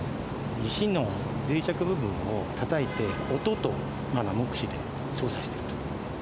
石のぜい弱部分をたたいて、音と目視で調査している。